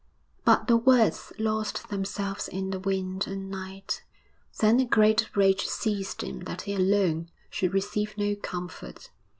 But the words lost themselves in the wind and night.... Then a great rage seized him that he alone should receive no comfort.